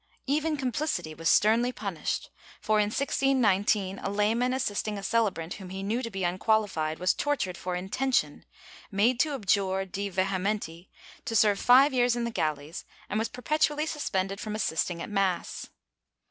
Even complicity was sternly punished for, in 1619, a layman assisting a celebrant, whom he knew to be unqualified, was tortured for intention, made to abjure de vehementi, to serve five years in the galleys, and was perpetually suspended from assisting at mass.